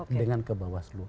dengan kebawah seluruh